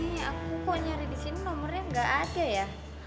ini aku kok nyari disini nomernya gak ada ya